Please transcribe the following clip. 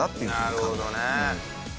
なるほどね！